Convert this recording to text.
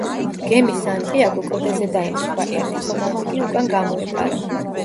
გემი „სანტიაგო“ კლდეზე დაიმსხვრა, ერთი ხომალდი კი უკან გამოეპარა.